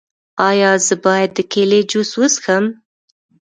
ایا زه باید د کیلي جوس وڅښم؟